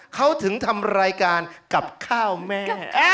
เขาถึงทำรายการกับข้าวแม่